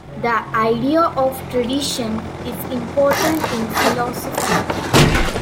The idea of tradition is important in philosophy.